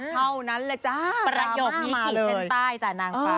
เท่านั้นแหละจ้าประโยคมิถิในใต้จากนางฟ้า